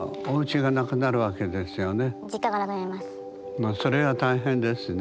ただそれは大変ですね。